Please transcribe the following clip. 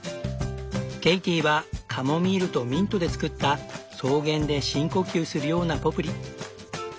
ケイティはカモミールとミントで作った草原で深呼吸するようなポプリ。